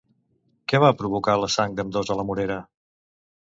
Què va provocar la sang d'ambdós a la morera?